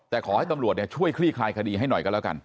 แต่ขอให้ตำรวจช่วยคลี่คลายคดีให้หน่อยกันแล้วกัน